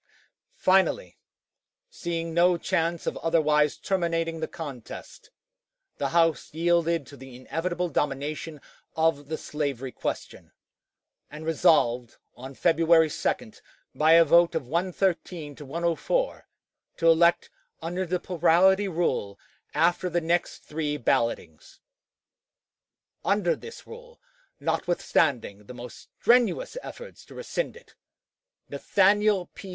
Finally, seeing no chance of otherwise terminating the contest, the House yielded to the inevitable domination of the slavery question, and resolved, on February 2, by a vote of 113 to 104, to elect under the plurality rule after the next three ballotings. Under this rule, notwithstanding the most strenuous efforts to rescind it, Nathaniel P.